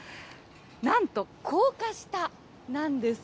なんと高架下なんです。